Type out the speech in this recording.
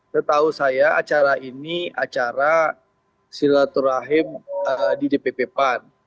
setahu saya acara ini acara silaturahim di dpp pan